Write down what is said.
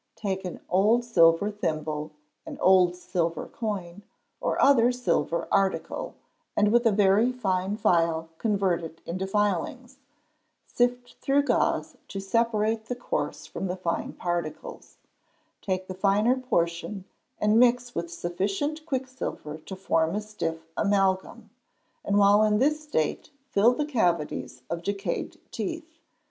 Take an old silver thimble, an old silver coin, or other silver article, and with a very fine file convert it into filings. Sift through gauze, to separate the coarse from the fine particles. Take the finer portion, and mix with sufficient quicksilver to form a stiff amalgam, and while in this state fill the cavaties of decayed teeth.